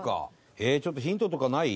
えっちょっとヒントとかない？